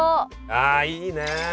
ああいいね。